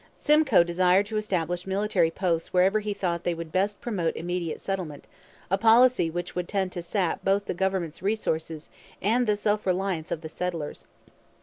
Simcoe desired to establish military posts wherever he thought they would best promote immediate settlement, a policy which would tend to sap both the government's resources and the self reliance of the settlers.